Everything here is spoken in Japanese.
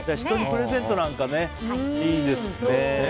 人にプレゼントなんかにいいですね。